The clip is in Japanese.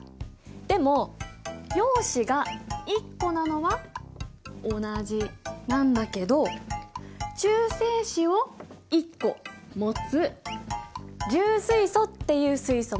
でも陽子が１個なのは同じなんだけど中性子を１個持つ重水素っていう水素もあるんだ。